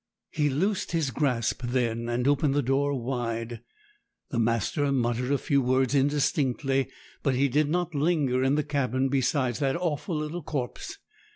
He loosed his grasp then, and opened the door wide. The master muttered a few words indistinctly, but he did not linger in the cabin beside that awful little corpse.